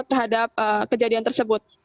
terhadap kejadian tersebut